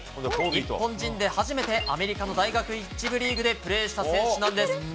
日本人で初めてアメリカの大学１部リーグでプレーした選手なんです。